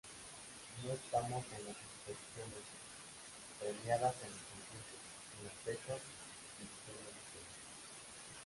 No estamos en las exposiciones, premiadas en los concursos, en las becas, dirigiendo museos...